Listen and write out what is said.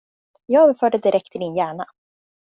Jag överför det direkt till din hjärna.